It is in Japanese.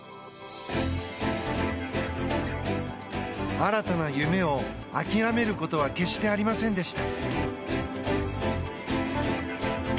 新たな夢を諦めることは決してありませんでした。